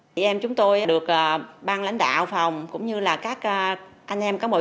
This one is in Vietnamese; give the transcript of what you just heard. chị em chúng tôi được ban lãnh đạo phòng cũng như là các anh em cán bộ chiến sĩ trong đơn vị luôn tạo điều kiện để tự hào về công tác này